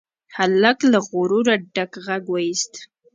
هلک له غروره ډک غږ واېست.